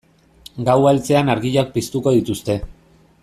Gaua heltzean argiak piztuko dituzte.